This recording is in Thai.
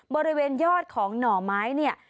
บริเวณยอดของหน่อไม้เนี่ย